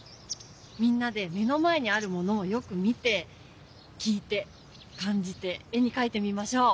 みんなで目の前にあるものをよく見て聞いて感じて絵にかいてみましょう。